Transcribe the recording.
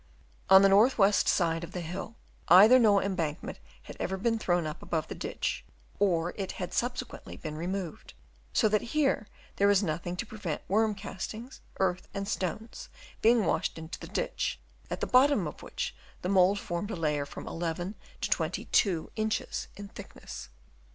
On the north west side of the hill, either no embankment had ever been thrown Tip above the ditch, or it had subse quently been removed ; so that here there was nothing to prevent worm castings, earth and stones being washed into the ditch, at the bottom of which the mould formed a layer from 11 to 22 inches in thickness.